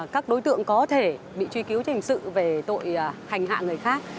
các đối tượng có thể bị truy cứu thành sự về tội hành hạ người khác